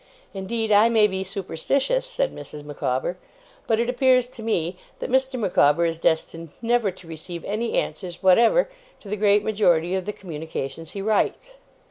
Indeed I may be superstitious,' said Mrs. Micawber, 'but it appears to me that Mr. Micawber is destined never to receive any answers whatever to the great majority of the communications he writes.